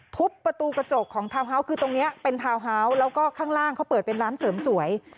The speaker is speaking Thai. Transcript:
ทุบประตูกระจกของทาวน์ฮาวส์คือตรงนี้เป็นทาวน์ฮาวส์แล้วก็ข้างล่างเขาเปิดเป็นร้านเสริมสวย